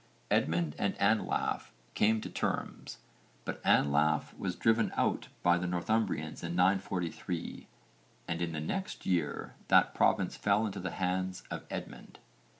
Edmund and Anlaf came to terms, but Anlaf was driven out by the Northumbrians in 943, and in the next year that province fell into the hands of Edmund.